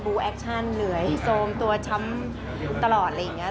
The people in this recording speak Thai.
แอคชั่นเหนื่อยโซมตัวช้ำตลอดอะไรอย่างนี้